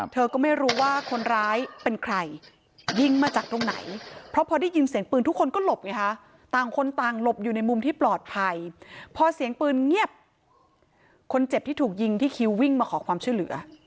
ต่างคนต่างหลบอยู่ในมุมที่ปลอดภัยพอเสียงปืนเงียบคนเจ็บที่ถูกยิงที่คิววิ่งมาขอความเชื่อเหลือ